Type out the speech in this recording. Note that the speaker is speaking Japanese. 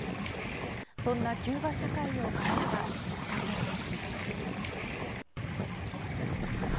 そんなキューバ社会を変えたきっかけとは。